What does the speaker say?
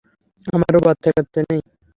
আমারও বাচ্চাকাচ্চা নেই।